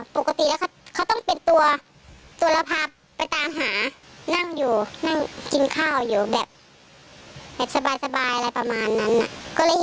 ปกติแล้วเขาต้องเป็นตัวจุลภาพไปตามหานั่งอยู่นั่งกินข้าวอยู่แบบสบายอะไรประมาณนั้น